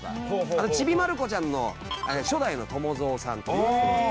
あと『ちびまる子ちゃん』の初代の友蔵さんとか。